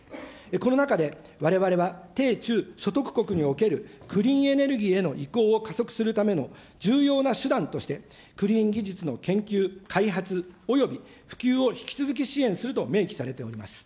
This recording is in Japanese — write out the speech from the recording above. この中でわれわれは低・中所得国におけるクリーンエネルギーへの移行を加速するための重要な手段として、クリーン技術の研究、開発および普及を引き続き支援すると明記されております。